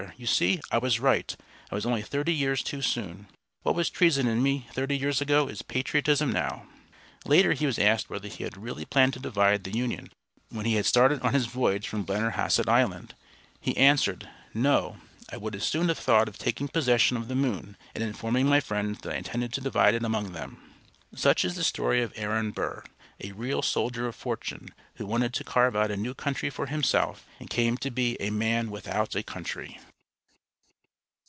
You see! I was right! I was only thirty years too soon. What was treason in me thirty years ago is patriotism now!" Later he was asked whether he had really planned to divide the Union when he started on his voyage from Blennerhassett Island. He answered, "No; I would as soon have thought of taking possession of the moon, and informing my friends that I intended to divide it among them." Such is the story of Aaron Burr, a real soldier of fortune, who wanted to carve out a new country for himself, and came to be "a man without a country."